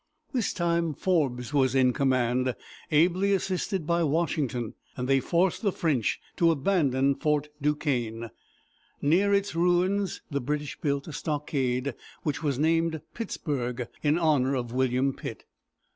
This time, Forbes was in command, ably assisted by Washington, and they forced the French to abandon Fort Duquesne. Near its ruins the British built a stockade which was named Pittsburg, in honor of William Pitt.